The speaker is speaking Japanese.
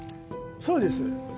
そうです。